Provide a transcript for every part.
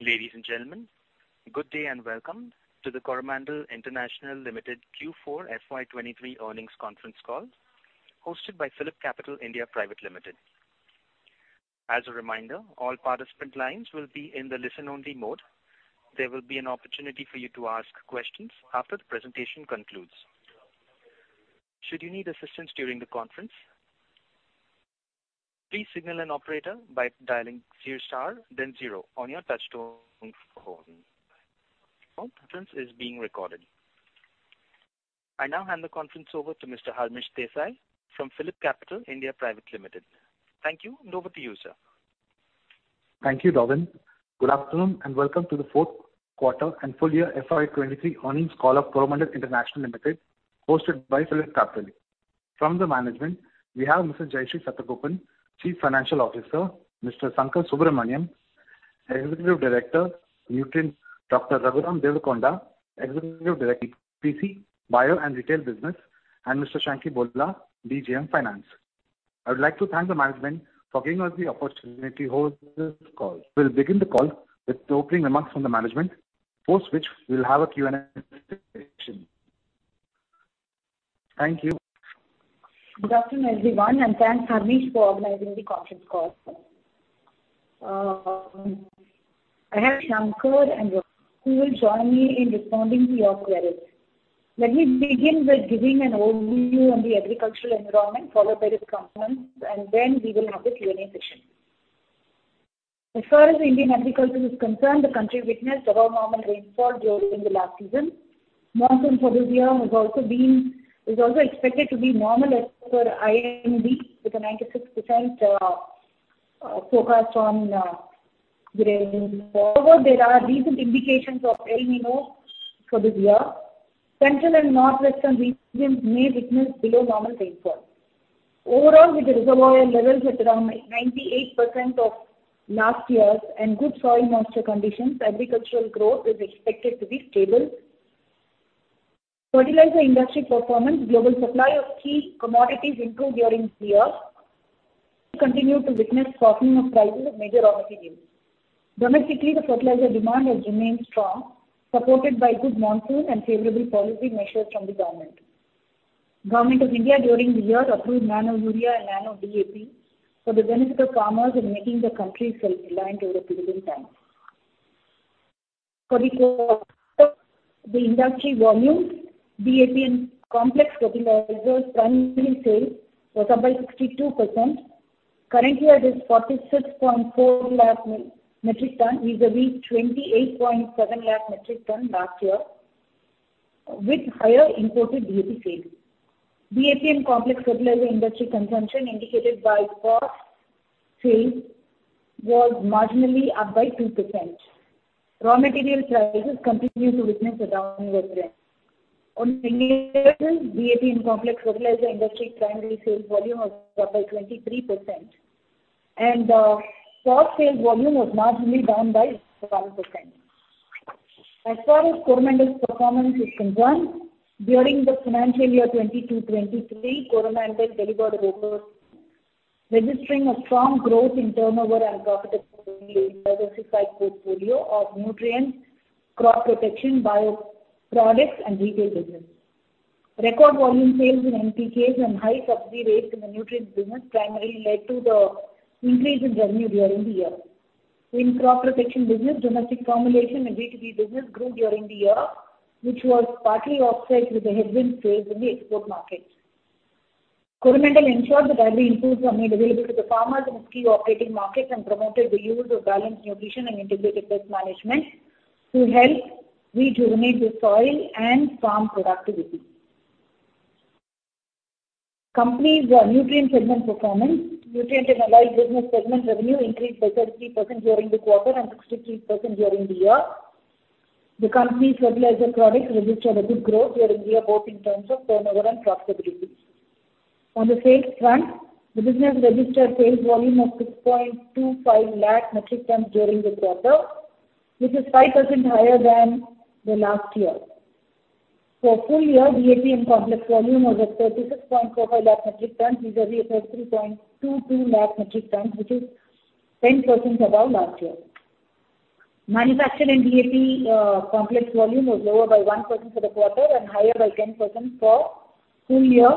Ladies and gentlemen, good day and welcome to the Coromandel International Limited Q4 FY 2023 earnings conference call, hosted by PhillipCapital (India) Pvt. Ltd. As a reminder, all participant lines will be in the listen-only mode. There will be an opportunity for you to ask questions after the presentation concludes. Should you need assistance during the conference, please signal an operator by dialing zero star then zero on your touchtone phone. This conference is being recorded. I now hand the conference over to Mr. Harmish Desai from PhillipCapital (India) Pvt. Ltd. Thank you, and over to you, sir. Thank you, Robin. Good afternoon, and welcome to the 4th quarter and full year FY 2023 earnings call of Coromandel International Limited, hosted by PhillipCapital. From the management, we have Mrs. Jayashree Satagopan, Chief Financial Officer, Mr. S. Sankarasubramanian, Executive Director, Nutrients, Dr. Raghuram Devarakonda, Executive Director, CPC, Bio and Retail Business, and Mr. Shanky Bhola, DGM, Finance. I would like to thank the management for giving us the opportunity to host this call. We'll begin the call with opening remarks from the management, post which we'll have a Q&A session. Thank you. Good afternoon, everyone. Thanks, Harmish, for organizing the conference call. I have Sankar who will join me in responding to your queries. Let me begin by giving an overview on the agricultural environment, followed by the components, and then we will have the Q&A session. As far as Indian agriculture is concerned, the country witnessed above normal rainfall during the last season. Monsoon for this year is also expected to be normal as per IMD with a 96% forecast on the rainfall. However, there are recent indications of El Niño for this year. Central and northwestern regions may witness below normal rainfall. Overall, with the reservoir levels at around 98% of last year's and good soil moisture conditions, agricultural growth is expected to be stable. Fertilizer industry performance, global supply of key commodities improved during this year. We continue to witness softening of prices of major raw materials. Domestically, the fertilizer demand has remained strong, supported by good monsoon and favorable policy measures from the government. Government of India during the year approved Nano Urea and Nano DAP for the benefit of farmers in making the country self-reliant over a period of time. For the industry volume, DAP and complex fertilizers primary sales was up by 62%. Currently, it is 46.4 lakh metric ton vis-à-vis 28.7 lakh metric ton last year, with higher imported DAP sales. DAP and complex fertilizer industry consumption indicated by port sales was marginally up by 2%. Raw material prices continue to witness a downward trend. On an annual, DAP and complex fertilizer industry primary sales volume was up by 23%. Port sales volume was marginally down by 1%. As far as Coromandel's performance is concerned, during the financial year 2022-2023, Coromandel delivered over registering a strong growth in turnover and profitability across its five portfolio of nutrients, crop protection, bioproducts and retail business. Record volume sales in NPKs and high subsidy rates in the nutrients business primarily led to the increase in revenue during the year. In crop protection business, domestic formulation and B2B business grew during the year, which was partly offset with the headwind faced in the export markets. Coromandel ensured that timely inputs were made available to the farmers in key operating markets and promoted the use of balanced nutrition and integrated pest management to help rejuvenate the soil and farm productivity. Company's nutrient segment performance. Nutrient and allied business segment revenue increased by 33% during the quarter and 63% during the year. The company's fertilizer products registered a good growth during the year, both in terms of turnover and profitability. On the sales front, the business registered sales volume of 6.25 lakh metric tons during the quarter, which is 5% higher than the last year. For full year, DAP and complex volume was at 36.45 lakh metric tons vis-à-vis 33.22 lakh metric tons, which is 10% above last year. Manufacturing DAP, complex volume was lower by 1% for the quarter and higher by 10% for full year.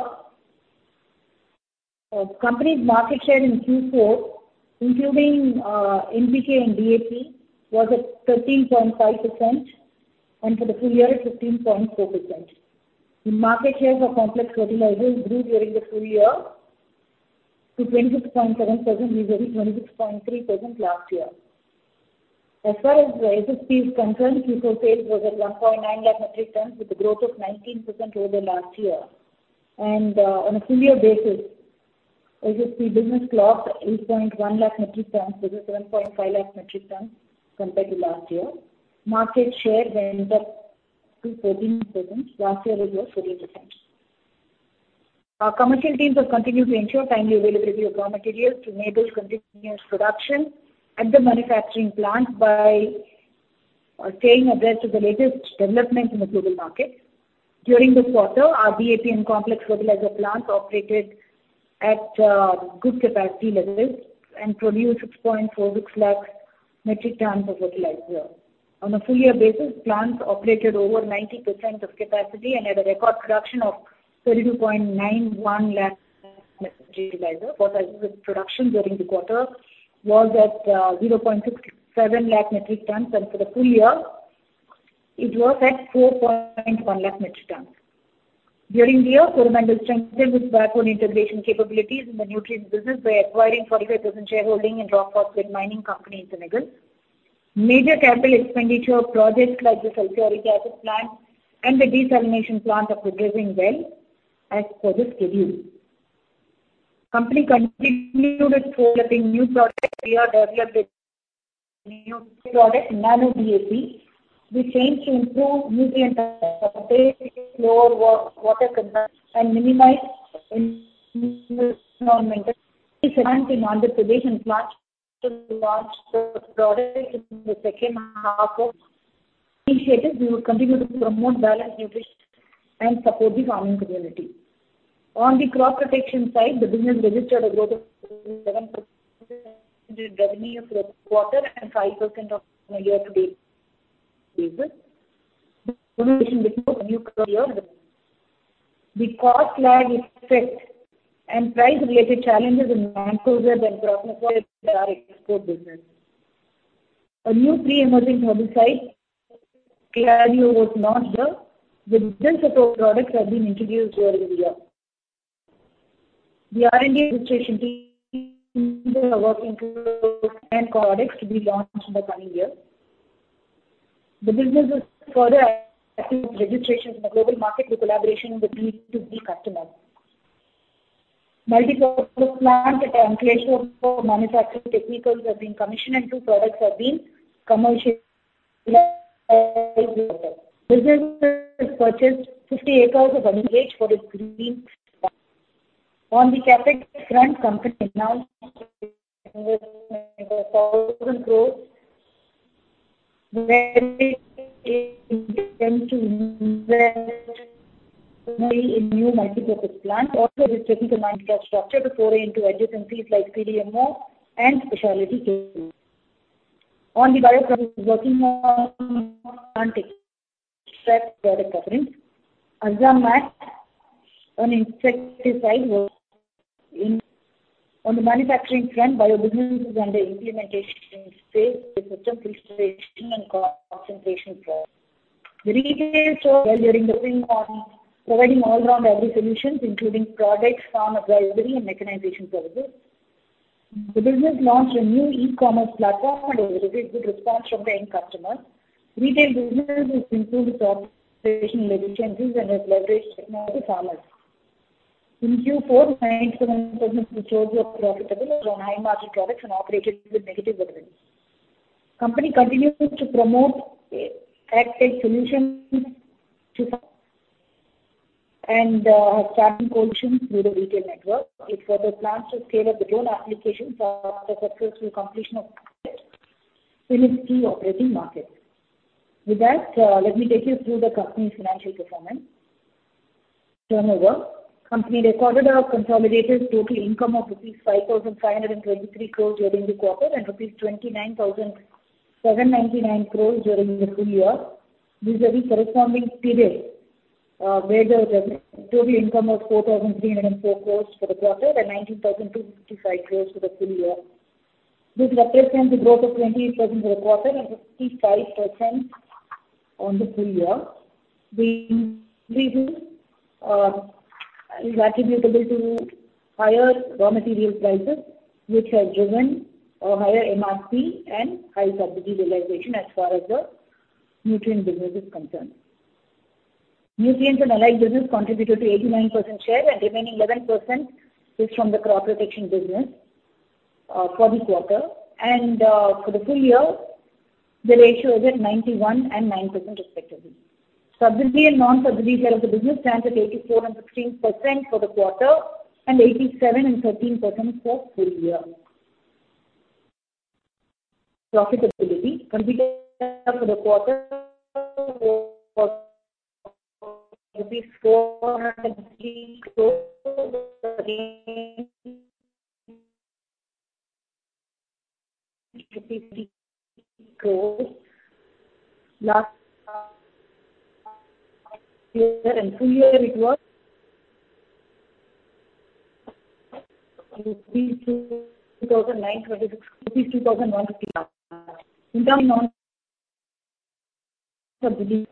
Company's market share in Q4, including NPK and DAP, was at 13.5%, and for the full year at 15.4%. The market share for complex fertilizers grew during the full year to 26.7% vis-à-vis 26.3% last year. As far as SSP is concerned, Q4 sales was at 1.9 lakh metric tons with a growth of 19% over last year. On a full year basis, SSP business clocked 8.1 lakh metric tons versus 7.5 lakh metric tons compared to last year. Market share went up to 14%. Last year it was 40%. Our commercial teams have continued to ensure timely availability of raw materials to enable continuous production at the manufacturing plant by staying abreast of the latest developments in the global markets. During this quarter, our DAP and complex fertilizer plants operated at good capacity levels and produced 6.46 lakhs metric tons of fertilizer. On a full year basis, plants operated over 90% of capacity and had a record production of 32.91 lakh metric tons of fertilizer. Phosphate production during the quarter was at 0.67 lakh metric tons. For the full year, it was at 4.1 lakh metric tons. During the year, Coromandel strengthened its backbone integration capabilities in the nutrients business by acquiring 45% shareholding in rock phosphate mining company in Senegal. Major capital expenditure projects like the sulfuric acid plant and the desalination plant are progressing well as per the schedule. Company continued its developing new products via the real new product, Nano DAP, which aims to improve nutrient lower water consumption and minimize environmental on the prevention plant to launch the product in the second half of we will continue to promote balanced nutrition and support the farming community. On the crop protection side, the business registered a growth of 11% in revenue for the quarter and 5% on year-to-date basis. The cost lag effect and price-related challenges in macros were the cross for our export business. A new pre-emerging herbicide, Claro, was launched here. The business of core products have been introduced here in India. The R&D registration team, they are working to products to be launched in the coming year. The business is further accessing registrations in the global market with collaboration with key-to-be customer. Multipurpose plant at Amreli for manufacturing technicals have been commissioned, and two products have been commercially. Business has purchased 50 acres of land lease for its greenfield plant. On the CapEx front, company announced INR 1,000 crore where it intends to invest in new multipurpose plant. Also, it is looking to mind cast structure to foray into adjacent fields like CDMO and specialty chemicals. On the bio front, it is working on product offerings. Azamax, an insecticide. On the manufacturing front, Bio business is under implementation stage with system restoration and concentration plants. The retail store, where we are focusing on providing all around agri-solutions including products, farm advisory and mechanization services. The business launched a new e-commerce platform and a very good response from the end customer. Retail business has improved its operation efficiencies and has leveraged technology farmers. In Q4, 9.7% of stores were profitable as on high-margin products and operated with negative working capital. Company continues to promote ag-tech solutions to and has tied in coalitions through the retail network. It further plans to scale up the drone applications after successful completion of pilot in its key operating markets. With that, let me take you through the company's financial performance. Turnover. Company recorded a consolidated total income of rupees 5,523 crores during the quarter and rupees 29,799 crores during the full year, vis-à-vis corresponding period, where the total income of 4,304 crores for the quarter and 19,255 crores for the full year. This represents a growth of 28% for the quarter and 55% on the full year. The reason is attributable to higher raw material prices, which have driven a higher MSP and high subsidy realization as far as the nutrient business is concerned. Nutrients and allied business contributed to 89% share and remaining 11% is from the crop protection business, for this quarter. For the full year, the ratio is at 91% and 9% respectively. Subsidy and non-subsidy share of the business stands at 84% and 16% for the quarter and 87% and 13% for full year. Profitability. Considering for the quarter INR 480 crores last year, and full year it was INR 2,159 crores. In terms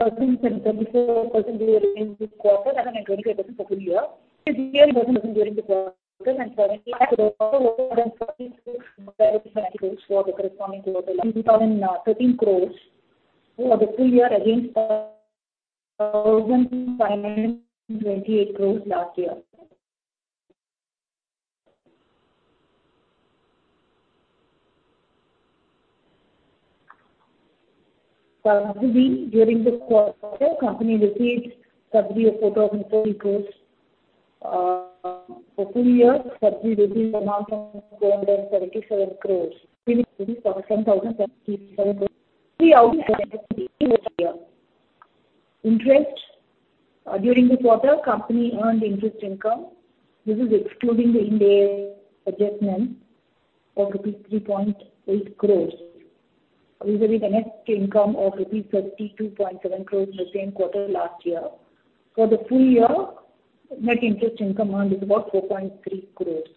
of non-subsidy and the subsidy stands at 13% during this quarter and at 28% for full year. Subsidy was INR 19 crores during the quarter and INR 25 crores for the corresponding quarter last year. INR 2,013 crores for the full year against INR 1,528 crores last year. For subsidy, during the quarter, company received subsidy of INR 4,030 crores for full year subsidy billing amount of INR 477 crores. 7,777 crores. Interest. During the quarter, company earned interest income. This is excluding the in delay adjustment of rupees 3.8 crores. This is the net income of rupees 32.7 crores the same quarter last year. For the full year, net interest income earned is about 4.3 crores.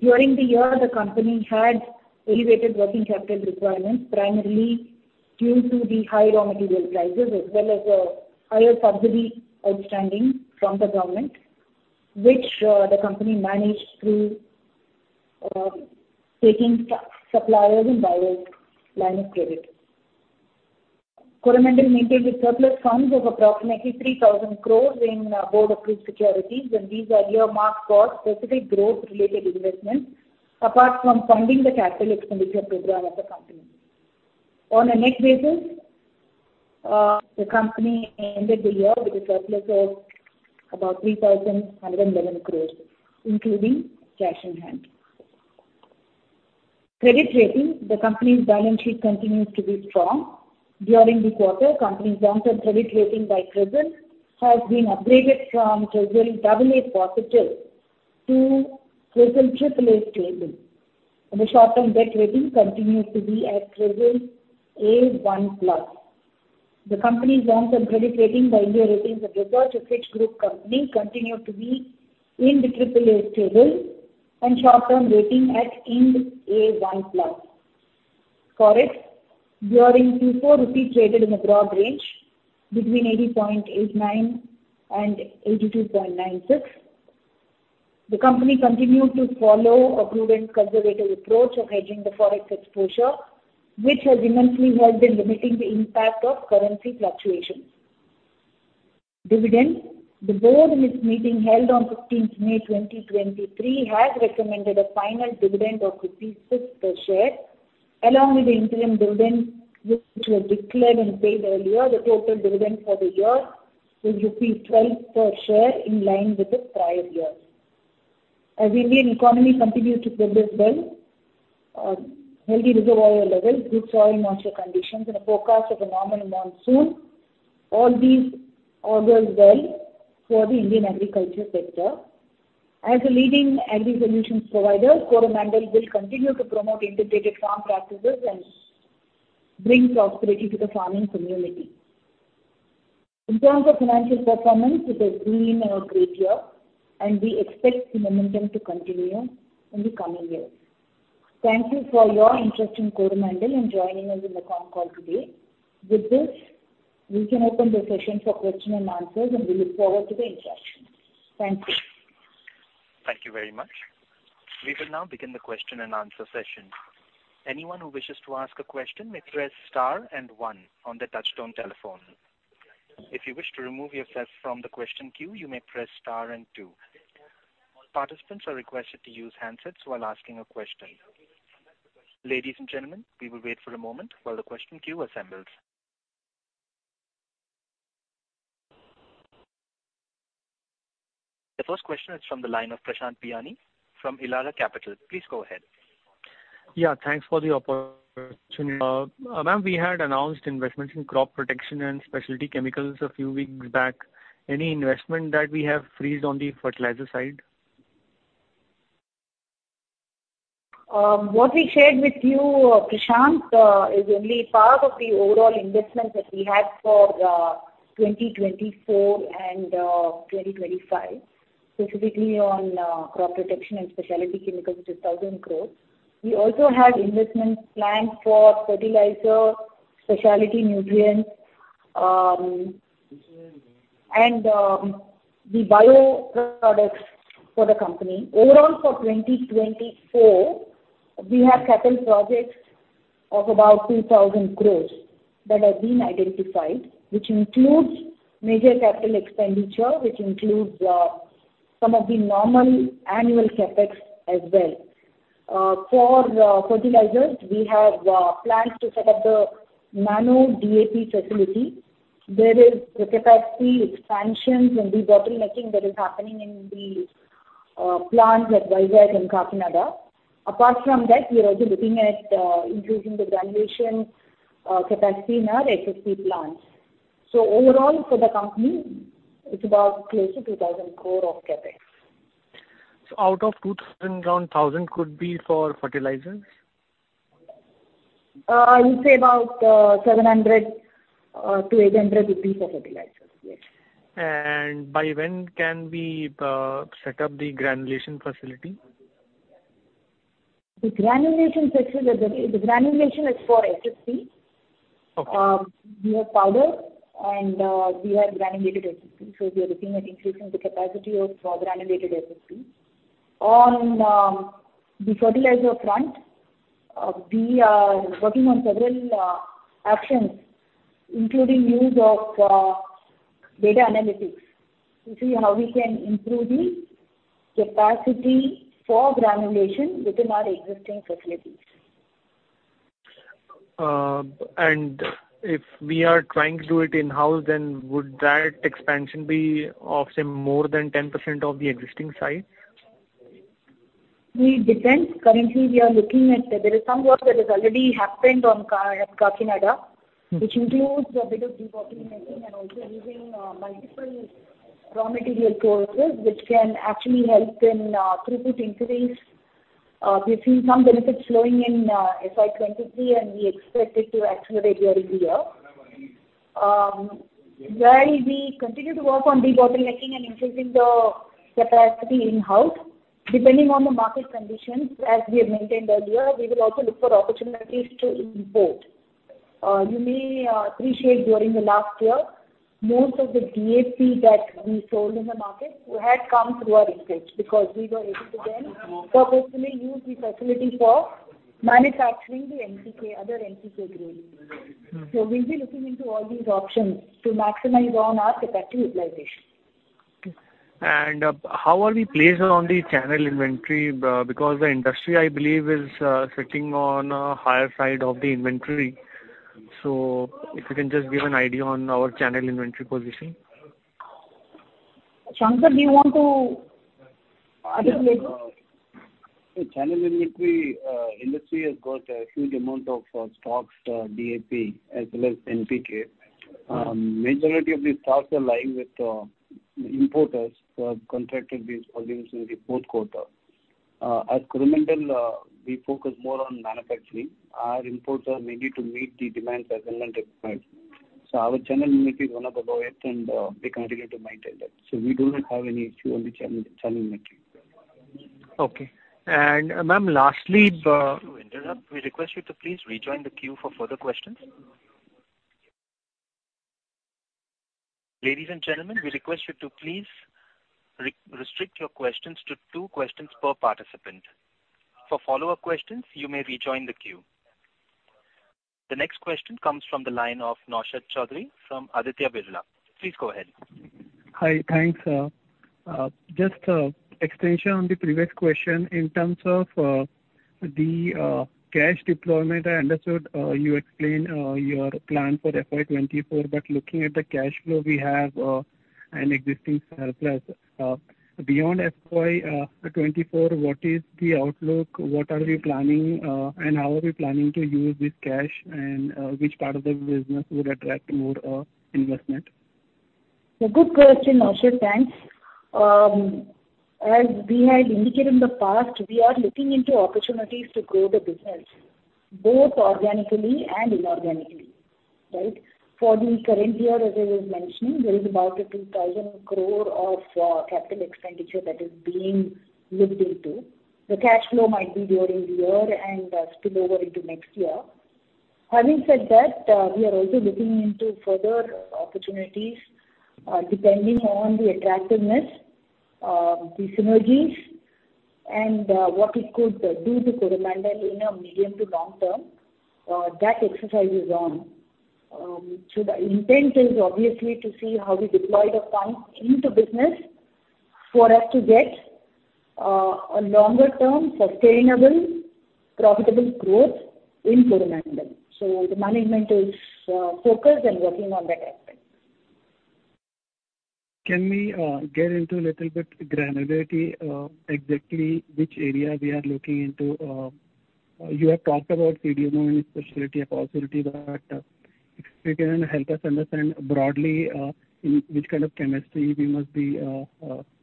During the year, the company had elevated working capital requirements, primarily due to the high raw material prices as well as higher subsidy outstanding from the government, which the company managed through taking suppliers and buyers line of credit. Coromandel maintains a surplus funds of approximately 3,000 crores in board approved securities, and these are earmarked for specific growth-related investments, apart from funding the capital expenditure program of the company. On a net basis, the company ended the year with a surplus of about 3,111 crores, including cash in hand. Credit rating. The company's balance sheet continues to be strong. During the quarter, Company's long-term credit rating by CRISIL has been upgraded from CRISIL AA+ to CRISIL AAA/Stable. The short-term debt rating continues to be at CRISIL A1+. The company's long-term credit rating by India Ratings and Research, a Fitch Group company, continue to be in the AAA/Stable and short-term rating at IND A1+. Forex. During Q4, INR traded in a broad range between 80.89-82.96 crore. The company continued to follow a prudent conservative approach of hedging the Forex exposure, which has immensely helped in limiting the impact of currency fluctuations. Dividend. The board in its meeting held on 15th May 2023 has recommended a final dividend of rupees 6 per share. Along with the interim dividend, which was declared and paid earlier, the total dividend for the year is rupees 12 per share in line with the prior years. As Indian economy continues to progress well, healthy reservoir levels, good soil moisture conditions and a forecast of a normal monsoon, all these augur well for the Indian agriculture sector. As a leading agri solutions provider, Coromandel will continue to promote integrated farm practices and bring prosperity to the farming community. In terms of financial performance, it has been a great year, and we expect the momentum to continue in the coming years. Thank you for your interest in Coromandel and joining us in the conference call today. With this, we can open the session for question and answers, and we look forward to the interaction. Thank you. Thank you very much. We will now begin the question and answer session. Anyone who wishes to ask a question may press star and one on their touchtone telephone. If you wish to remove yourself from the question queue, you may press star and two. Participants are requested to use handsets while asking a question. Ladies and gentlemen, we will wait for a moment while the question queue assembles. The first question is from the line of Prashant Biyani from Elara Capital. Please go ahead. Yeah, thanks for the opportunity. Ma'am, we had announced investments in crop protection and specialty chemicals a few weeks back. Any investment that we have freezed on the fertilizer side? What we shared with you, Prashant, is only part of the overall investments that we have for 2024 and 2025, specifically on crop protection and specialty chemicals, which is 1,000 crores. We also have investments planned for fertilizer, specialty nutrients, and the bioproducts for the company. Overall, for 2024, we have capital projects of about 2,000 crores that have been identified, which includes major capital expenditure, which includes some of the normal annual CapEx as well. For fertilizers, we have plans to set up the Nano DAP facility. There is capacity expansions and debottlenecking that is happening in the plants at Vizag and Kakinada. Apart from that, we are also looking at increasing the granulation capacity in our FSP plants. overall for the company, it's about close to 2,000 crore of CapEx. Out of 2,000 crore, around 1,000 crore could be for fertilizers? You'd say about 700-800 crore rupees would be for fertilizers. Yes. By when can we set up the granulation facility? The granulation facility, the granulation is for FSP. Okay. We have powder and, we have granulated FSP. We are looking at increasing the capacity of, for granulated FSP. On, the fertilizer front, we are working on several, actions, including use of, data analytics to see how we can improve the capacity for granulation within our existing facilities. If we are trying to do it in-house, would that expansion be of, say, more than 10% of the existing size? It depends. Currently, we are looking. There is some work that has already happened on Kakinada. Mm-hmm. Which includes a bit of debottlenecking and also using multiple raw material sources, which can actually help in throughput increase. We've seen some benefits flowing in FY 2023, and we expect it to accelerate during the year. Where we continue to work on debottlenecking and increasing the capacity in-house, depending on the market conditions, as we have maintained earlier, we will also look for opportunities to import. You may appreciate during the last year, most of the DAP that we sold in the market had come through our imports, because we were able to then purposefully use the facility for manufacturing the NPK, other NPK grades. Mm-hmm. We'll be looking into all these options to maximize on our capacity utilization. How are we placed on the channel inventory? Because the industry, I believe, is sitting on a higher side of the inventory. If you can just give an idea on our channel inventory position. Sankar, do you want to articulate? Channel inventory, industry has got a huge amount of stocks, DAP as well as NPK. Majority of these stocks are lying with importers who have contracted these volumes in the fourth quarter. As Coromandel, we focus more on manufacturing. Our imports are mainly to meet the demand as and when required. Our channel inventory is one of the lowest, and we continue to maintain that. We do not have any issue on the channel inventory. Okay. ma'am, lastly. Sorry to interrupt. We request you to please rejoin the queue for further questions. Ladies and gentlemen, we request you to please re-restrict your questions to two questions per participant. For follow-up questions, you may rejoin the queue. The next question comes from the line of Naushad Chaudhary from Aditya Birla. Please go ahead. Hi. Thanks, just extension on the previous question. In terms of the cash deployment, I understood you explained your plan for FY 2024, but looking at the cash flow, we have an existing surplus. Beyond FY 2024, what is the outlook? What are we planning and how are we planning to use this cash? Which part of the business would attract more investment? A good question, Naushad. Thanks. As we had indicated in the past, we are looking into opportunities to grow the business, both organically and inorganically, right? For the current year, as I was mentioning, there is about a 2,000 crore of capital expenditure that is being looked into. The cash flow might be during the year and spill over into next year. Having said that, we are also looking into further opportunities, depending on the attractiveness, the synergies and what it could do to Coromandel in a medium to long term. That exercise is on. So the intent is obviously to see how we deploy the funds into business for us to get a longer-term, sustainable, profitable growth in Coromandel. The management is focused and working on that aspect. Can we get into a little bit granularity, exactly which area we are looking into? You have talked about CDMO and speciality possibility, but if you can help us understand broadly, in which kind of chemistry we must be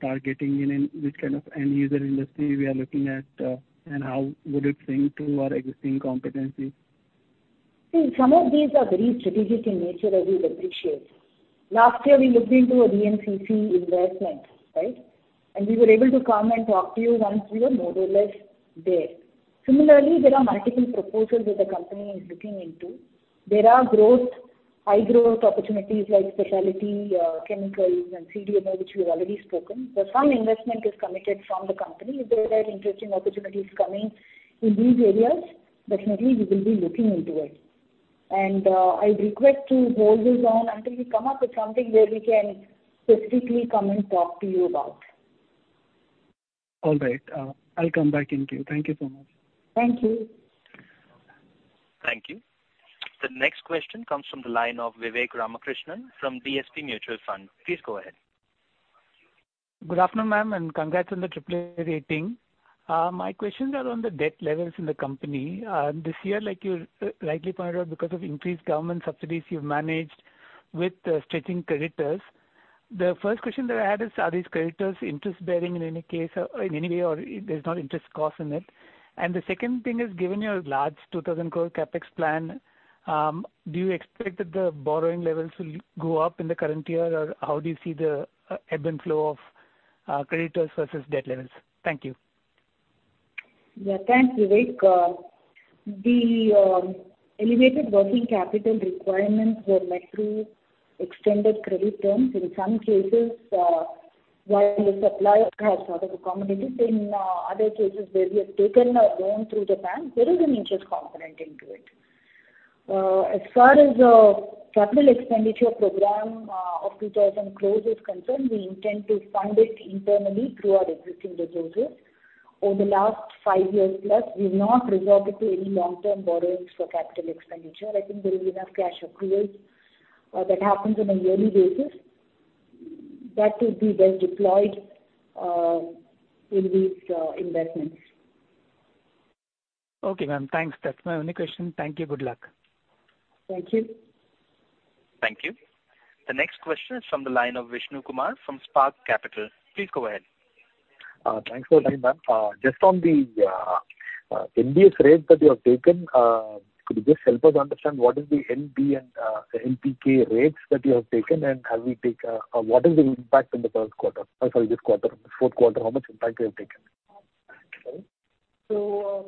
targeting and in which kind of end user industry we are looking at, and how would it sync to our existing competencies? See, some of these are very strategic in nature, as you'd appreciate. Last year, we looked into a BMCC investment, right? We were able to come and talk to you once we were more or less there. Similarly, there are multiple proposals that the company is looking into. There are growth, high growth opportunities like specialty chemicals and CDMO, which we've already spoken. Some investment is committed from the company. If there are interesting opportunities coming in these areas, definitely we will be looking into it. I request to hold this on until we come up with something where we can specifically come and talk to you about. All right. I'll come back in queue. Thank you so much. Thank you. Thank you. The next question comes from the line of Vivek Ramakrishnan from DSP Mutual Fund. Please go ahead. Good afternoon, ma'am, congrats on the triple A rating. My questions are on the debt levels in the company. This year, like you, rightly pointed out, because of increased government subsidies you've managed with, stretching creditors. The first question that I had is, are these creditors interest-bearing in any case or in any way, or there's no interest cost in it? The second thing is, given your large 2,000 crore CapEx plan, do you expect that the borrowing levels will go up in the current year? Or how do you see the ebb and flow of creditors versus debt levels? Thank you. Yeah. Thanks, Vivek. The elevated working capital requirements were met through extended credit terms. In some cases, while the supplier has sort of accommodated, in other cases where we have taken a loan through the bank, there is an interest component into it. As far as capital expenditure program of 2,000 crores is concerned, we intend to fund it internally through our existing resources. Over the last five years plus, we've not resorted to any long-term borrowings for capital expenditure. I think there is enough cash accruals that happens on a yearly basis. That will be then deployed in these investments. Okay, ma'am. Thanks. That's my only question. Thank you. Good luck. Thank you. Thank you. The next question is from the line of Vishnu Kumar from Spark Capital. Please go ahead. Thanks for the time, ma'am. Just on the NBS rates that you have taken, could you just help us understand what is the NB and the NPK rates that you have taken, and how we take, or what is the impact in the first quarter? Sorry, this quarter, the fourth quarter, how much impact you have taken?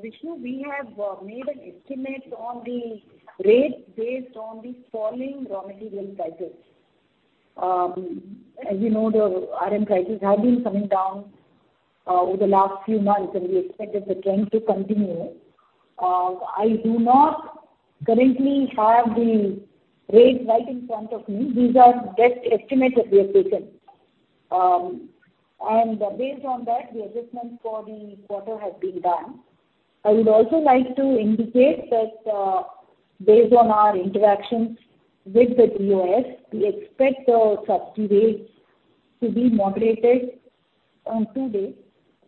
Vishnu, we have made an estimate on the rate based on the falling raw material prices. As you know, the RM prices have been coming down over the last few months, and we expect that the trend to continue. I do not currently have the rates right in front of me. These are best estimates that we have taken. And based on that, the adjustments for the quarter have been done. I would also like to indicate that, based on our interactions with the DOS, we expect the subsidy rates to be moderated on two days,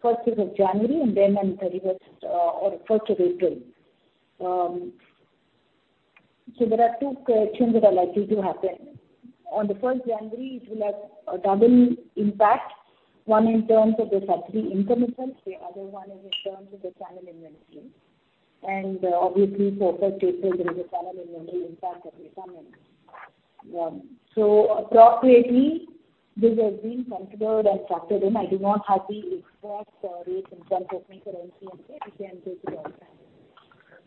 1st is of January and then on 31st, or 1st of April. There are two changes that are likely to happen. On the first January, it will have a double impact, one in terms of the subsidy intermittent, the other one is in terms of the channel inventory. Obviously for first April, there is a channel inventory impact that we summon. Appropriately, this has been considered and factored in. I do not have the exact rates in terms of my currency and rate. We can take it offline.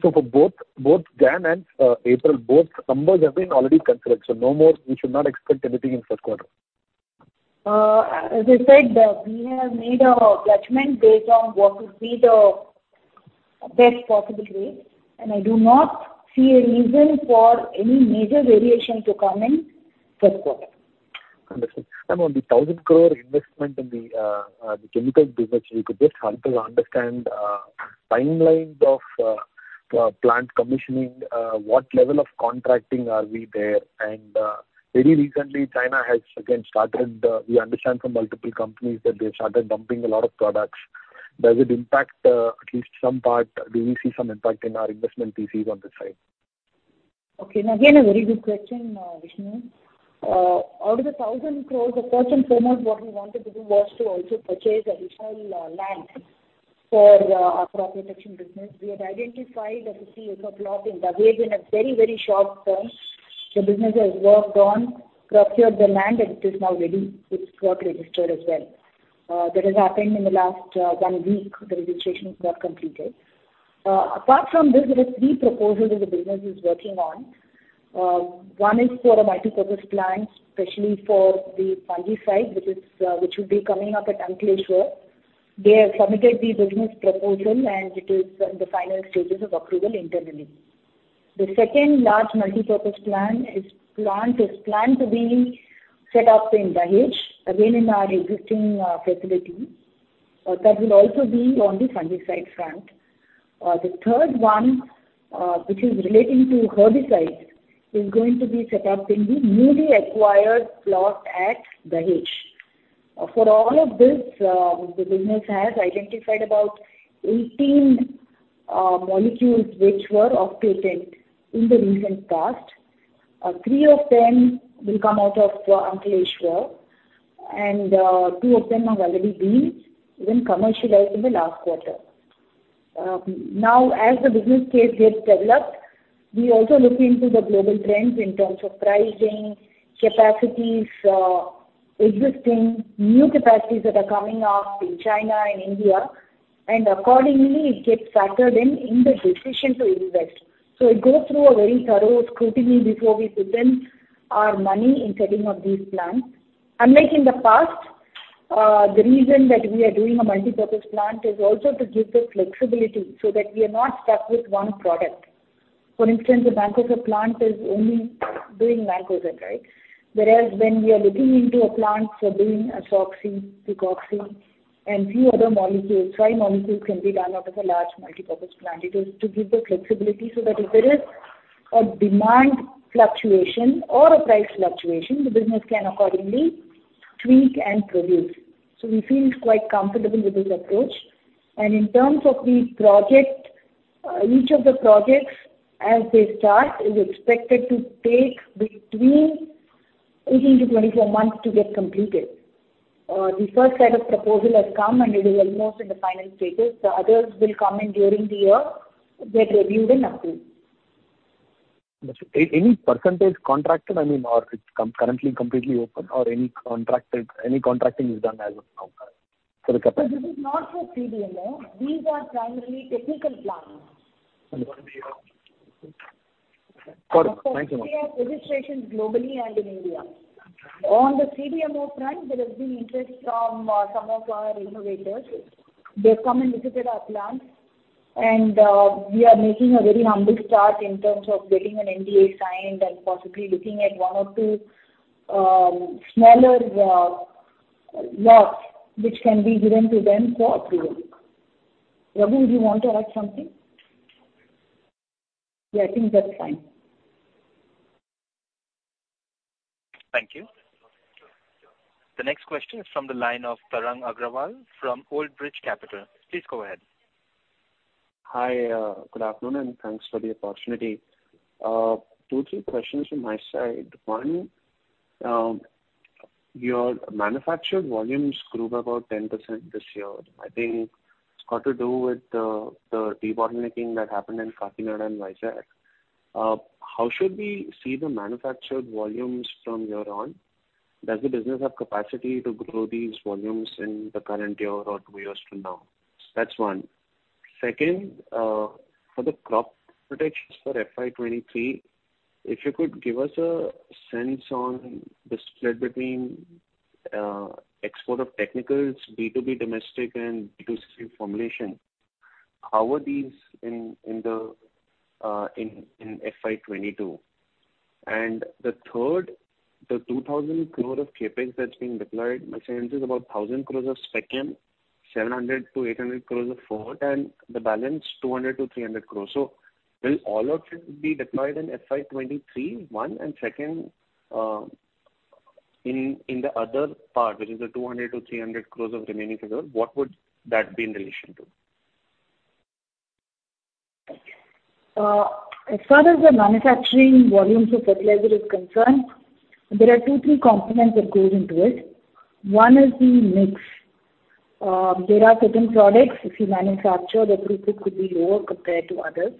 For both January and April, both numbers have been already considered. No more, we should not expect anything in first quarter. As I said, we have made a judgment based on what would be the best possible rate. I do not see a reason for any major variation to come in first quarter. Understood. On the 1,000 crore investment in the chemical business, if you could just help us understand timelines of plant commissioning, what level of contracting are we there? Very recently, China has again started, we understand from multiple companies that they've started dumping a lot of products. Does it impact at least some part? Do we see some impact in our investment thesis on this side? Okay. Again, a very good question, Vishnu. Out of the 1,000 crores, the first and foremost, what we wanted to do was to also purchase additional land for our crop protection business. We had identified a 50-acre plot in Dahej in a very, very short term. The business has worked on, procured the land, and it is now ready. It's got registered as well. That has happened in the last one week. The registration got completed. Apart from this, there are three proposals that the business is working on. One is for a multipurpose plant, especially for the fungicide, which is which would be coming up at Ankleshwar. They have submitted the business proposal, and it is in the final stages of approval internally. The second large multipurpose plant is planned to be set up in Dahej, again, in our existing facility. That will also be on the fungicide front. The third one, which is relating to herbicides, is going to be set up in the newly acquired plot at Dahej. For all of this, the business has identified about 18 molecules which were off patent in the recent past. Three of them will come out of Ankleshwar, and two of them have already been commercialized in the last quarter. Now, as the business case gets developed, we also look into the global trends in terms of pricing, capacities, existing new capacities that are coming up in China and India. Accordingly, it gets factored in in the decision to invest. We go through a very thorough scrutiny before we put in our money in setting up these plants. Unlike in the past, the reason that we are doing a multipurpose plant is also to give the flexibility so that we are not stuck with one product. For instance, the Mancozeb plant is only doing Mancozeb, right? Whereas when we are looking into a plant for doing Azoxystrobin, Picoxystrobin and few other molecules, 5 molecules can be done out of a large multipurpose plant. It is to give the flexibility so that if there is a demand fluctuation or a price fluctuation, the business can accordingly tweak and produce. We feel quite comfortable with this approach. In terms of the project, each of the projects as they start is expected to take between 18-24 months to get completed. The first set of proposal has come and it is almost in the final stages. The others will come in during the year, get reviewed and approved. Any % contracted, I mean, or it's currently completely open or any contracting is done as of now for the capacity? This is not for CDMO. These are primarily technical plants. Understood. Got it. Thank you ma'am. For CFR registrations globally and in India. On the CDMO front, there has been interest from some of our innovators. They've come and visited our plants. We are making a very humble start in terms of getting an NDA signed and possibly looking at one or two smaller lots which can be given to them for approval. Raghu, would you want to add something? Yeah, I think that's fine. Thank you. The next question is from the line of Tarang Agrawal from Old Bridge Capital. Please go ahead. Hi, good afternoon, thanks for the opportunity. Two, three questions from my side. One, your manufactured volumes grew by about 10% this year. I think it's got to do with the debottlenecking that happened in Kakinada and Vizag. How should we see the manufactured volumes from here on? Does the business have capacity to grow these volumes in the current year or two years from now? That's one. Second, for the crop protections for FY 2023, if you could give us a sense on the split between export of technicals, B2B domestic, and B2C formulation, how were these in FY 2022? The third, the 2,000 crore of CapEx that's being deployed, my sense is about 1,000 crore of Spec Chem, 700-800 crore of Fort, and the balance 200-300 crore. Will all of it be deployed in FY 2023? One. Second, in the other part, which is the 200-300 crore of remaining figure, what would that be in relation to? As far as the manufacturing volumes of fertilizer is concerned, there are two, three components that goes into it. One is the mix. There are certain products if you manufacture, the throughput could be lower compared to others,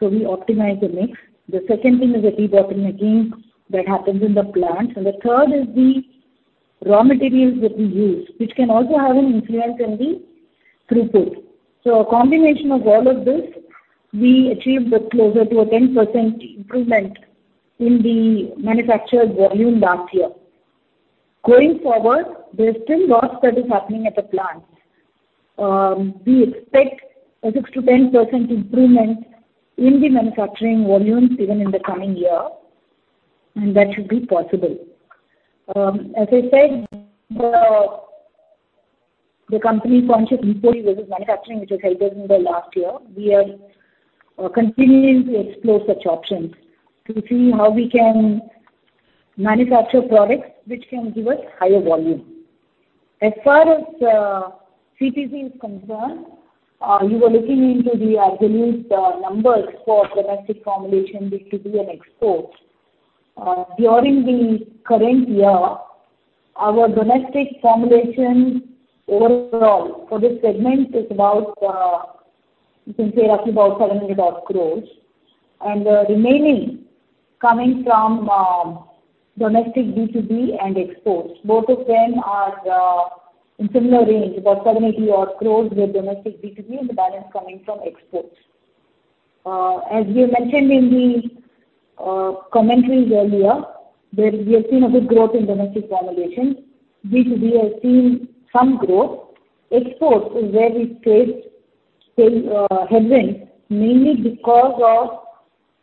so we optimize the mix. The second thing is the debottlenecking that happens in the plants. The third is the raw materials that we use, which can also have an influence in the throughput. A combination of all of this, we achieved closer to a 10% improvement in the manufactured volume last year. Going forward, there's still loss that is happening at the plant. We expect a 6%-10% improvement in the manufacturing volumes even in the coming year, and that should be possible. As I said, the company's conscious inquiry versus manufacturing, which has helped us in the last year, we are continuing to explore such options to see how we can manufacture products which can give us higher volume. As far as CTC is concerned, you were looking into the aggregate numbers for domestic formulation B2B and export. During the current year, our domestic formulation overall for this segment is about, you can say roughly about 70-odd crores. The remaining coming from domestic B2B and exports. Both of them are in similar range, about 70-odd crores with domestic B2B and the balance coming from exports. As we have mentioned in the commentary earlier, that we have seen a good growth in domestic formulation. B2B has seen some growth. Exports is where we faced some headwinds, mainly because of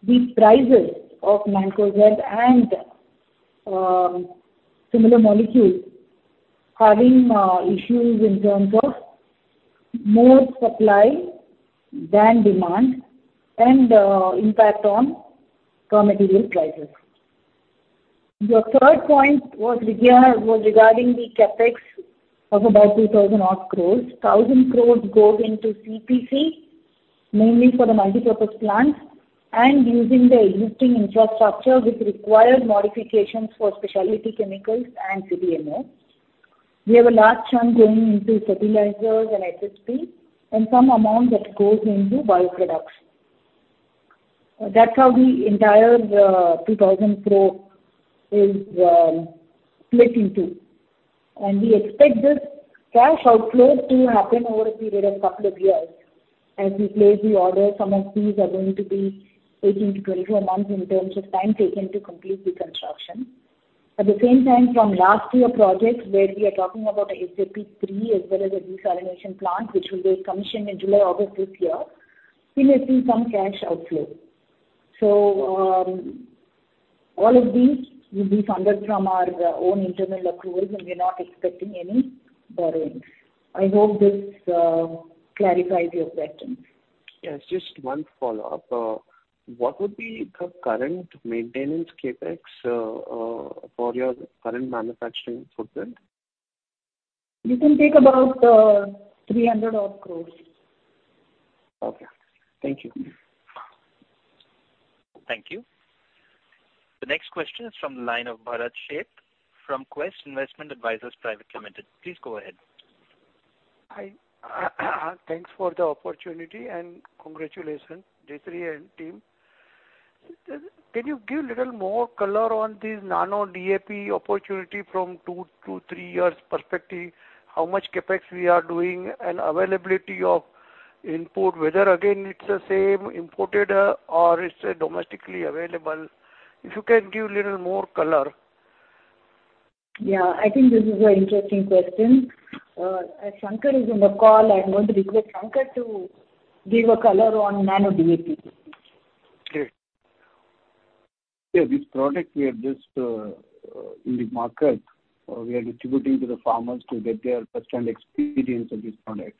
the prices of Mancozeb and similar molecules having issues in terms of more supply than demand and impact on raw material prices. Your third point was regarding the CapEx of about 2,000-odd crore. 1,000 crore goes into CTC, mainly for the multipurpose plants and using the existing infrastructure which required modifications for specialty chemicals and CDMO. We have a large chunk going into fertilizers and SSP and some amount that goes into bioproducts. That's how the entire 2,000 crore is split into. We expect this cash outflow to happen over a period of couple of years. As we place the order, some of these are going to be 18-24 months in terms of time taken to complete the construction. At the same time, from last year projects where we are talking about a SAP 3 as well as a desalination plant which will be commissioned in July or August this year, we may see some cash outflow. All of these will be funded from our own internal accruals, and we're not expecting any borrowings. I hope this clarifies your questions. Yes, just one follow-up. What would be the current maintenance CapEx for your current manufacturing footprint? You can take about, 300-odd crores. Okay. Thank you. Thank you. The next question is from the line of Bharat Sheth from Quest Investment Advisors Private Limited. Please go ahead. Thanks for the opportunity and congratulations, Jayashree and team. Can you give little more color on this Nano DAP opportunity from two to three years perspective, how much CapEx we are doing and availability of input, whether again it's the same imported or it's domestically available? If you can give little more color. Yeah, I think this is a interesting question. As Sankar is in the call, I'm going to request Sankar to give a color on Nano DAP. Okay. This product we have just in the market. We are distributing to the farmers to get their firsthand experience of this product.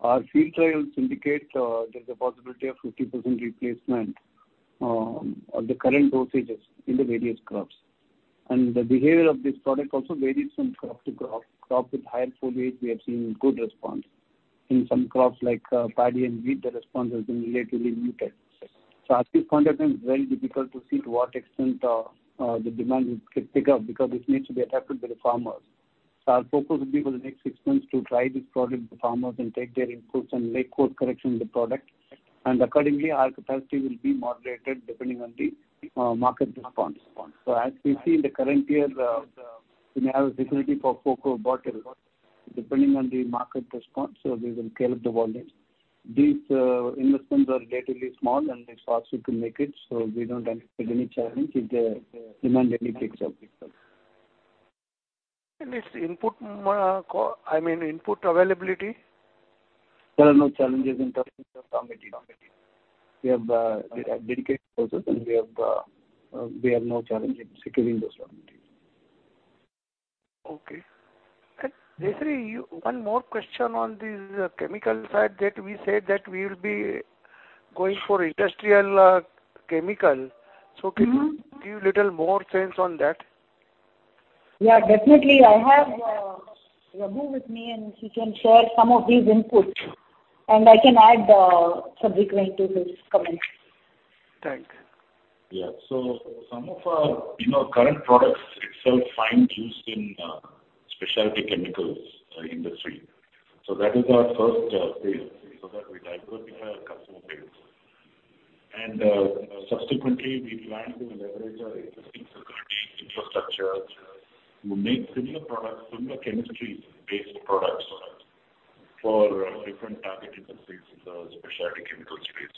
Our field trials indicate, there's a possibility of 50% replacement of the current dosages in the various crops. The behavior of this product also varies from crop to crop. Crops with higher foliage, we have seen good response. In some crops like paddy and wheat, the response has been relatively muted. At this point of time, it's very difficult to see to what extent the demand will pick up because this needs to be adapted by the farmers. Our focus will be for the next six months to try this product with the farmers and take their inputs and make course correction in the product. Accordingly, our capacity will be moderated depending on the market response. As we see in the current year, we may have a difficulty for 400 bottle depending on the market response, so we will scale up the volumes. These investments are relatively small, and it's possible to make it, so we don't anticipate any challenge if the demand really picks up. this input I mean, input availability? There are no challenges in terms of raw material. We have dedicated process, and we have no challenge in securing those raw materials. Okay. Jaishree, one more question on this chemical side that we said that we'll be going for industrial chemical. Mm-hmm. Can you give little more sense on that? Yeah, definitely. I have Raghu with me, he can share some of these inputs. I can add subsequently to his comments. Thanks. Yeah. Some of our, you know, current products itself find use in specialty chemicals industry. That is our first phase so that we diversify our customer base. Subsequently, we plan to leverage our existing security infrastructure to make similar products, similar chemistries-based products for different target industries in the specialty chemical space.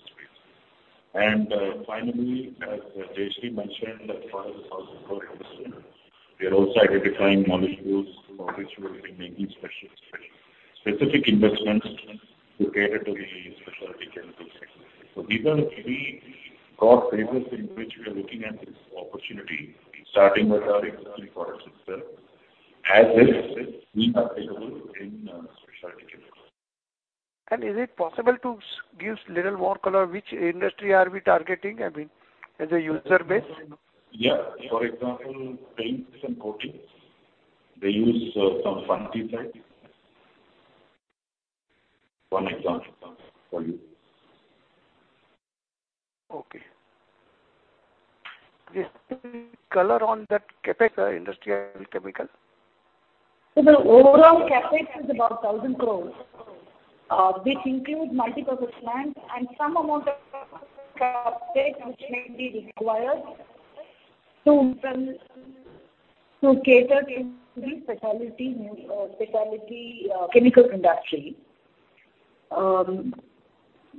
Finally, as Jaishree mentioned, as far as INR 1,000 crore investment, we are also identifying molecules for which we will be making specific investments to cater to the specialty chemicals sector. These are the three core phases in which we are looking at this opportunity, starting with our existing products itself. As is, we are capable in specialty chemicals. Is it possible to give little more color which industry are we targeting? I mean, as a user base. For example, paints and coatings. They use some fungicide. One example for you. Okay. Jaishree, color on that CapEx, industrial chemical. The overall CapEx is about 1,000 crores, which include multipurpose plant and some amount of CapEx which may be required to cater to the specialty chemical industry.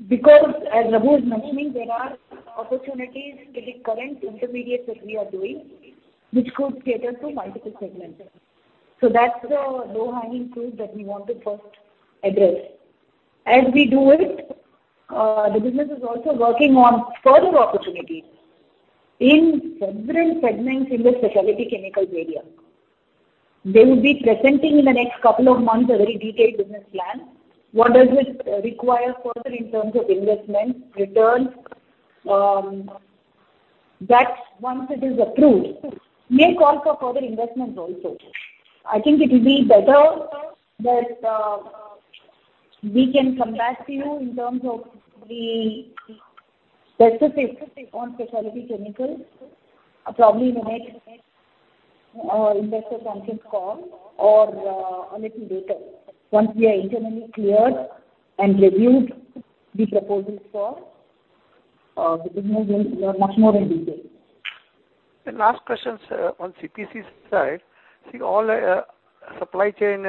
Because as Raghu is mentioning, there are opportunities for the current intermediates that we are doing, which could cater to multiple segments. That's the low-hanging fruit that we want to first address. As we do it, the business is also working on further opportunities in several segments in the specialty chemicals area. They will be presenting in the next couple of months a very detailed business plan. What does it require further in terms of investments, returns? That once it is approved, may call for further investments also. I think it'll be better that, we can come back to you in terms of the better take on specialty chemicals, probably in the next, investor conference call or, a little later. Once we are internally cleared and reviewed the proposals for, the business in, much more in detail. Last questions on CPC side. See all supply chain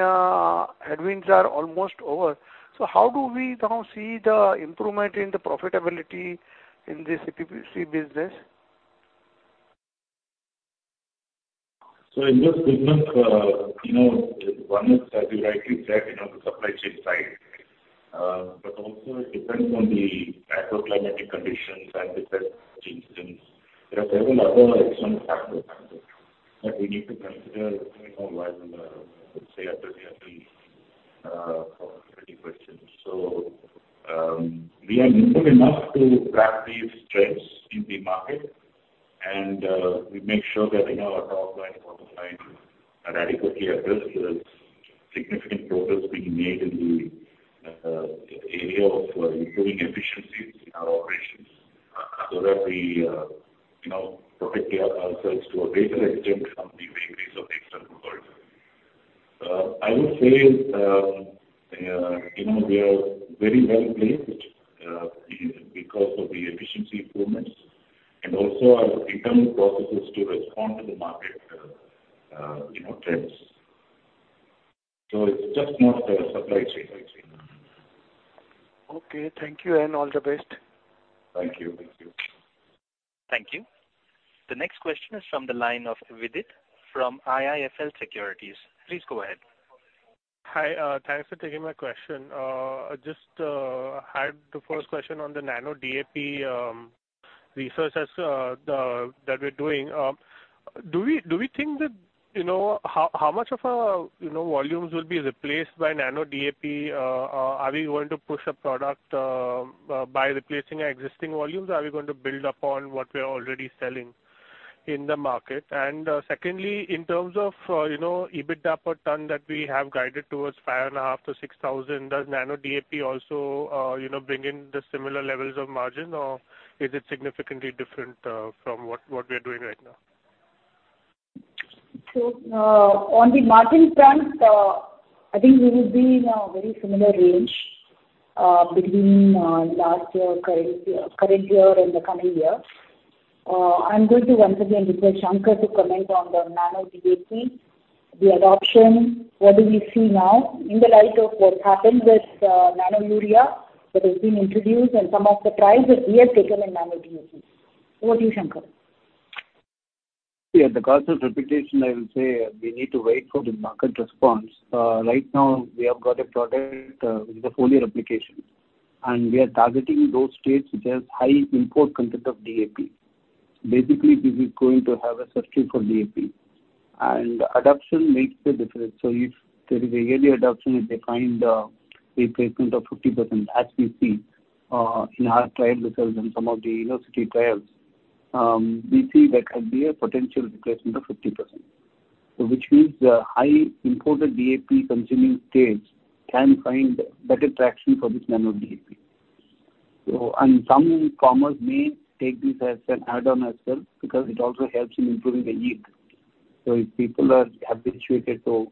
headwinds are almost over. How do we now see the improvement in the profitability in the CPC business? In this business, you know, one is, as you rightly said, you know, the supply chain side. Also it depends on the agroclimatic conditions and pest incidence. There are several other external factors that we need to consider, you know, while, say, answering profitability questions. We are nimble enough to track these trends in the market. We make sure that, you know, our top line and bottom line are adequately addressed. There's significant progress being made in the area of improving efficiencies in our operations so that we, you know, protect ourselves to a greater extent from the vagaries of the external environment. I would say, you know, we are very well placed, because of the efficiency improvements and also our internal processes to respond to the market, you know, trends. It's just not the supply chain. Okay, thank you, and all the best. Thank you. Thank you. Thank you. The next question is from the line of Vidit from IIFL Securities. Please go ahead. Hi. Thanks for taking my question. Just I had the first question on the Nano DAP research as that we're doing. Do we think that, you know, how much of our, you know, volumes will be replaced by Nano DAP? Are we going to push a product by replacing our existing volumes? Are we going to build upon what we are already selling in the market? Secondly, in terms of, you know, EBITDA per ton that we have guided towards 5,500-6,000 crore, does Nano DAP also, you know, bring in the similar levels of margin or is it significantly different from what we are doing right now? On the margin front, I think we will be in a very similar range, between last year, current year, current year and the coming year. I'm going to once again request Sankar to comment on the Nano DAP, the adoption, what do we see now in the light of what happened with Nano Urea that has been introduced and some of the trials that we have taken in Nano DAP. Over to you, Sankar. Yeah. Because of repetition, I will say we need to wait for the market response. Right now we have got a product, with the foliar application, we are targeting those states which has high import content of DAP. Basically, this is going to have a substitute for DAP. Adoption makes the difference. If there is a early adoption, if they find a replacement of 50% as we see, in our trial results and some of the, you know, city trials, we see that can be a potential replacement of 50%. Which means the high importer DAP consuming states can find better traction for this Nano DAP. Some farmers may take this as an add-on as well because it also helps in improving the yield. If people are habituated to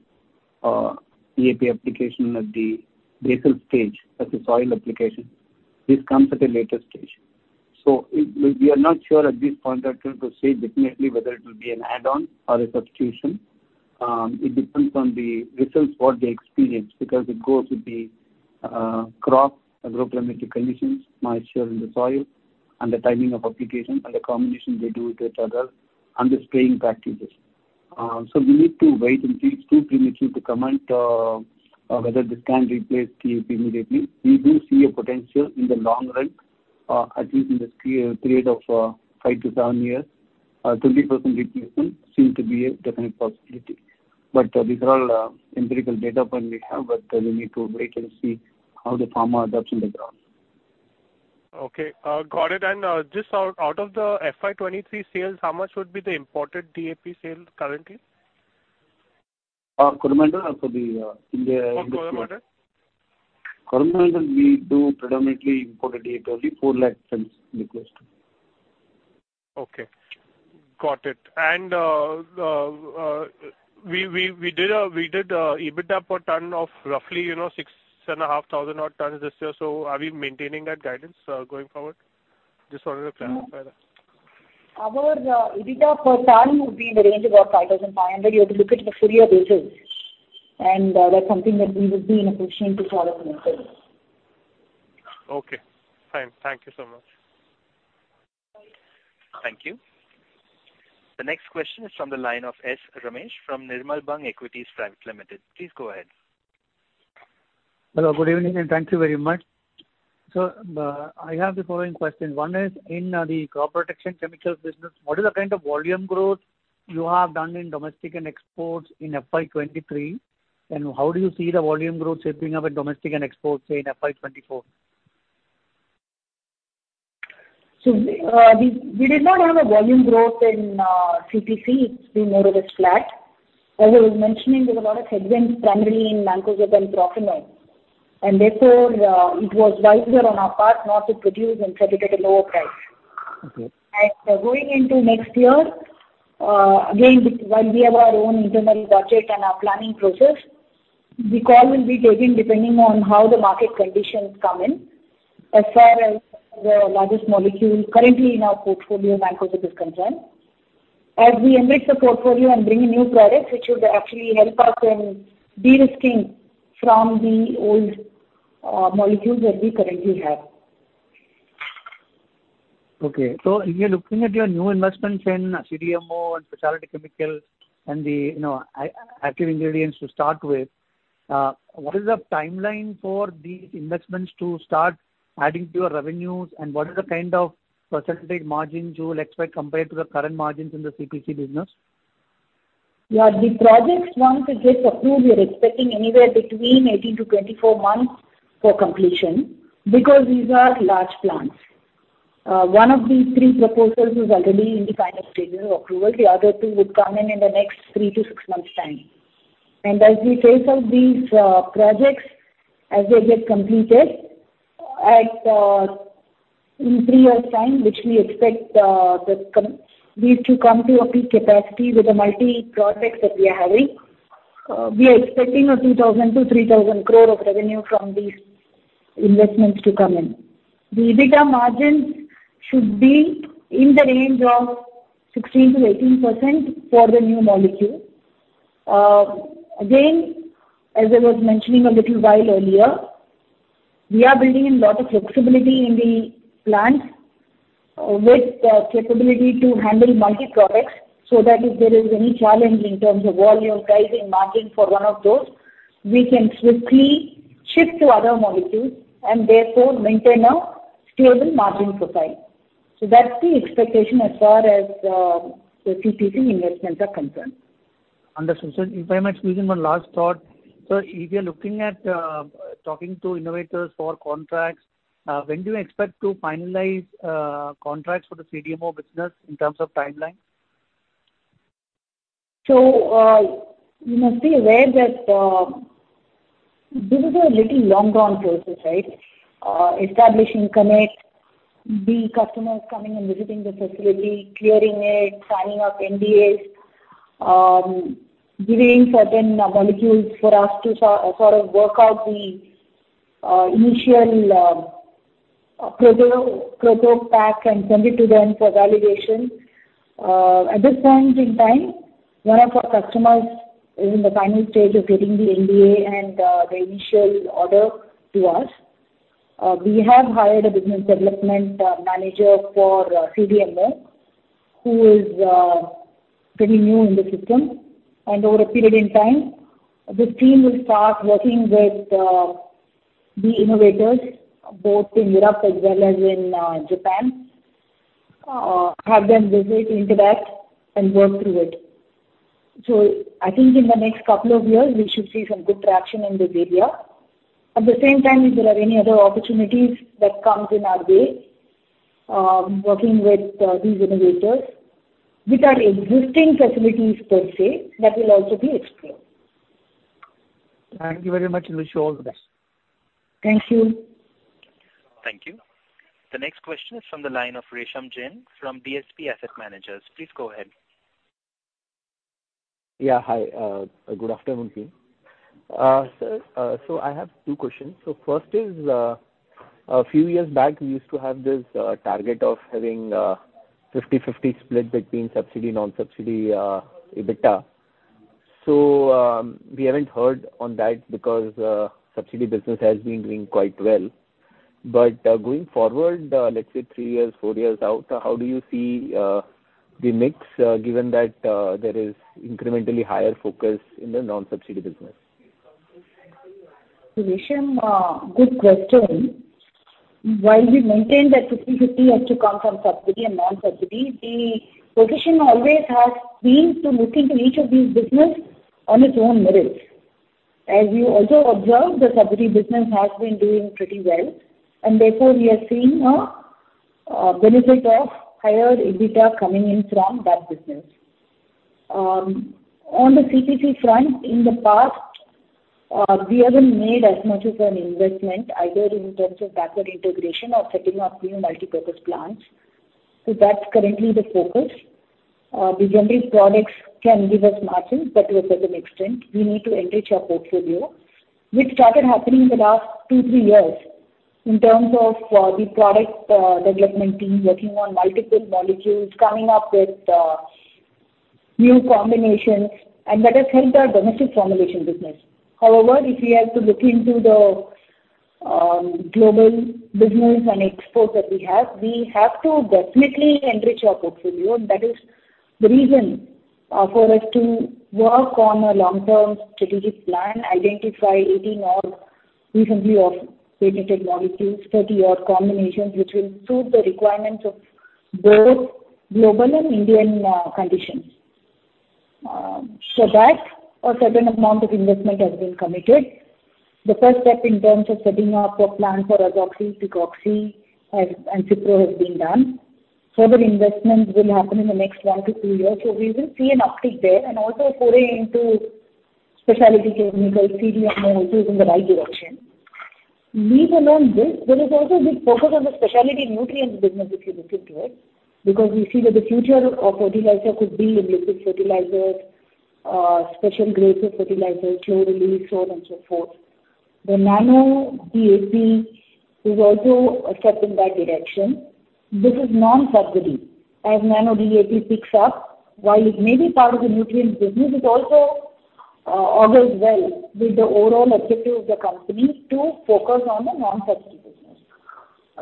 DAP application at the basal stage, at the soil application, this comes at a later stage. We are not sure at this point that we could say definitely whether it will be an add-on or a substitution. It depends on the results what they experience because it goes with the crop agroclimatic conditions, moisture in the soil and the timing of application and the combination they do with each other and the spraying practices. We need to wait and see. It's too premature to comment whether this can replace DAP immediately. We do see a potential in the long run, at least in this period of five to seven years. 20% replacement seem to be a definite possibility. These are all, empirical data point we have, but we need to wait and see how the farmer adopts on the ground. Okay. got it. Just out of the FY 2023 sales, how much would be the imported DAP sales currently? Coromandel International or for the India export? For Coromandel. Coromandel, we do predominantly imported DAP, only 4 lakh tons requested. Okay. Got it. We did EBITDA per ton of roughly, you know, 6,500 odd tons this year. Are we maintaining that guidance going forward? Just wanted to clarify that. Our EBITDA per ton would be in the range of, 5,500. You have to look at the full year basis. That's something that we would be in a position to comment later. Okay. Fine. Thank you so much. Bye. Thank you. The next question is from the line of S. Ramesh from Nirmal Bang Equities Private Limited. Please go ahead. Hello, good evening, and thank you very much. I have the following questions. One is in, the crop protection chemicals business, what is the kind of volume growth you have done in domestic and exports in FY 2023? How do you see the volume growth shaping up in domestic and exports say in FY 2024? We, we did not have a volume growth in CPC. It's been more or less flat. As I was mentioning, there's a lot of headwinds, primarily in Mancozeb and Propanil. Therefore, it was wiser on our part not to produce and sell it at a lower price. Okay. Going into next year, again, while we have our own internal budget and our planning process, the call will be taken depending on how the market conditions come in as far as the largest molecule currently in our portfolio Mancozeb is concerned. As we enrich the portfolio and bring in new products, which would actually help us in de-risking from the old, molecules that we currently have. If you're looking at your new investments in CDMO and specialty chemicals and the, you know, active ingredients to start with, what is the timeline for these investments to start adding to your revenues and what is the kind of % margins you will expect compared to the current margins in the CPC business? Yeah. The projects once they get approved, we are expecting anywhere between 18-24 months for completion because these are large plants. One of the three proposals is already in the final stages of approval. The other two would come in in the next three to six months' time. As we phase out these projects, as they get completed at, in three years' time, which we expect these to come to a peak capacity with the multi projects that we are having, we are expecting 2,000-3,000 crore of revenue from these investments to come in. The EBITDA margins should be in the range of 16%-18% for the new molecule. Again, as I was mentioning a little while earlier, we are building in a lot of flexibility in the plants with capability to handle multi-products, so that if there is any challenge in terms of volume, pricing, marketing for one of those, we can swiftly shift to other molecules and therefore maintain a stable margin profile. That's the expectation as far as the CPC investments are concerned. Understood. If I may squeeze in one last thought. If you're looking at talking to innovators for contracts, when do you expect to finalize contracts for the CDMO business in terms of timeline? You must be aware that this is a little long drawn process, right? Establishing connect, the customers coming and visiting the facility, clearing it, signing up NDAs, giving certain molecules for us to sort of work out the initial proto pack and send it to them for validation. At this point in time, one of our customers is in the final stage of getting the NDA and the initial order to us. We have hired a business development manager for CDMO, who is pretty new in the system. Over a period in time, this team will start working with the innovators, both in Europe as well as in Japan, have them visit interact and work through it. I think in the next couple of years, we should see some good traction in this area. At the same time, if there are any other opportunities that comes in our way, working with these innovators with our existing facilities per se, that will also be explored. Thank you very much. Wish you all the best. Thank you. Thank you. The next question is from the line of Resham Jain from DSP Asset Managers. Please go ahead. Yeah. Hi. Good afternoon to you, sir. I have two questions. First is, a few years back, we used to have this target of having 50/50 split between subsidy, non-subsidy EBITDA. We haven't heard on that because subsidy business has been doing quite well. Going forward, let's say three years, four years out, how do you see the mix, given that there is incrementally higher focus in the non-subsidy business? Resham, good question. While we maintain that 50/50 has to come from subsidy and non-subsidy, the position always has been to looking to each of these business on its own merits. As you also observed, the subsidy business has been doing pretty well, and therefore we are seeing a benefit of higher EBITDA coming in from that business. On the CPC front, in the past, we haven't made as much of an investment either in terms of backward integration or setting up new multipurpose plants. That's currently the focus. The generic products can give us margins, but to a certain extent, we need to enrich our portfolio, which started happening in the last two, three years in terms of the product development team working on multiple molecules, coming up with new combinations, and that has helped our domestic formulation business. However, if we have to look into the global business and exports that we have, we have to definitely enrich our portfolio, and that is the reason for us to work on a long-term strategic plan, identify 80-odd recently authenticated molecules, 30-odd combinations, which will suit the requirements of both global and Indian conditions. A certain amount of investment has been committed. The first step in terms of setting up a plant for Azoxystrobin, Picoxystrobin and Cyproconazole has been done. Further investments will happen in the next one to two years. We will see an uptick there and also foray into specialty chemicals, seedling also is in the right direction. There is also a big focus on the specialty nutrients business, if you look into it, because we see that the future of fertilizer could be in liquid fertilizers, special grades of fertilizers, slow release, so on and so forth. The Nano DAP is also a step in that direction. This is non-subsidy. As Nano DAP picks up, while it may be part of the nutrients business, it also augurs well with the overall objective of the company to focus on the non-subsidy business.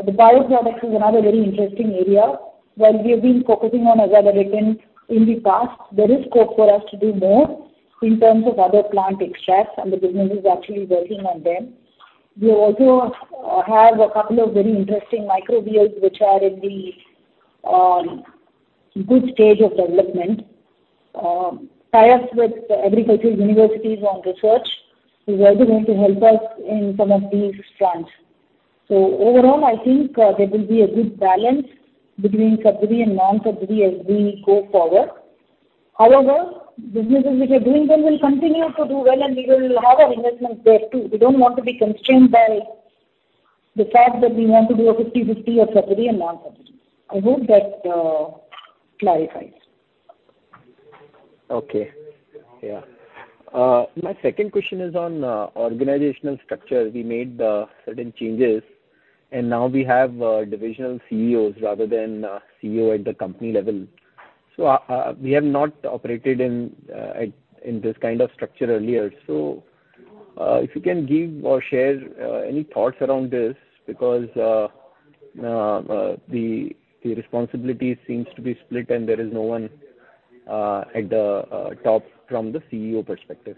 The bioproducts is another very interesting area. While we have been focusing on Azadirachtin in the past, there is scope for us to do more in terms of other plant extracts, and the business is actually working on them. We also have a couple of very interesting Microbials which are in the good stage of development. Tie-ups with agriculture universities on research is also going to help us in some of these fronts. Overall, I think, there will be a good balance between subsidy and non-subsidy as we go forward. Businesses which are doing well will continue to do well, and we will have our investments there too. We don't want to be constrained by the fact that we want to do a 50/50 of subsidy and non-subsidy. I hope that clarifies. Okay. Yeah. My second question is on organizational structure. We made certain changes. Now we have divisional CEOs rather than a CEO at the company level. We have not operated in this kind of structure earlier. If you can give or share any thoughts around this because the responsibility seems to be split and there is no one at the top from the CEO perspective.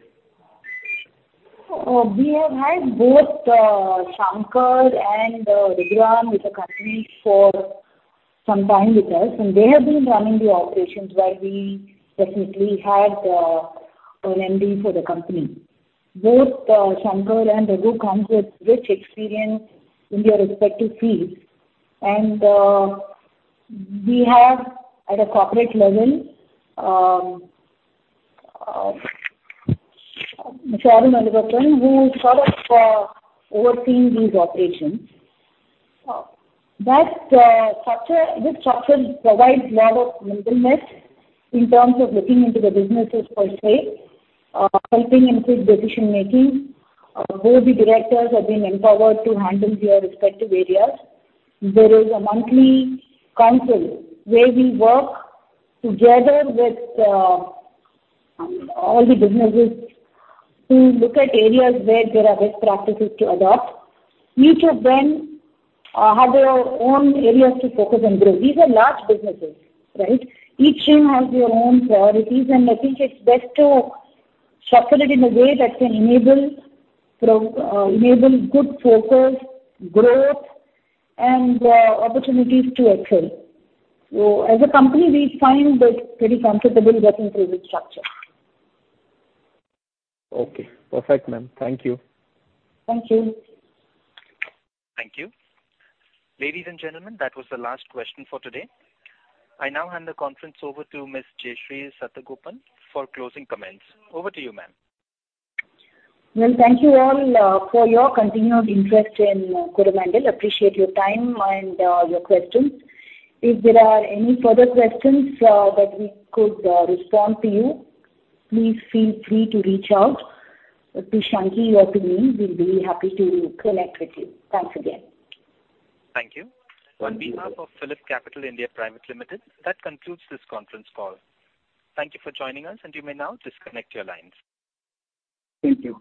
We have had both, Sankar and Raghu Ram with the company for some time with us, and they have been running the operations while we definitely had an MD for the company. Both Sankar and Raghu comes with rich experience in their respective fields. We have at a corporate level, Mr. Arun Nandakumar, who is sort of overseeing these operations. That structure, this structure provides lot of nimbleness in terms of looking into the businesses per se, helping in quick decision-making. All the directors have been empowered to handle their respective areas. There is a monthly council where we work together with all the businesses to look at areas where there are best practices to adopt. Each of them have their own areas to focus and grow. These are large businesses, right? Each team has their own priorities, I think it's best to structure it in a way that can enable good focus, growth, and opportunities to excel. As a company, we find this pretty comfortable working through this structure. Okay. Perfect, ma'am. Thank you. Thank you. Thank you. Ladies and gentlemen, that was the last question for today. I now hand the conference over to Ms. Jayashree Satagopan for closing comments. Over to you, ma'am. Well, thank you all for your continued interest in Coromandel. Appreciate your time and your questions. If there are any further questions that we could respond to you, please feel free to reach out to Shanky or to me. We'll be happy to connect with you. Thanks again. Thank you. On behalf of PhillipCapital (India) Pvt. Ltd., that concludes this conference call. Thank you for joining us, and you may now disconnect your lines. Thank you.